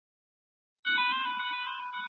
د لګښت کمول د ژوند سطحه نه لوړوي.